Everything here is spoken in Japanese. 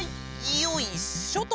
よいしょと。